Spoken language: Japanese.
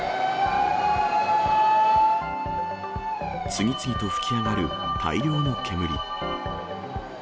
次々と噴き上がる大量の煙。